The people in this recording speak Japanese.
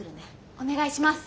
お願いします。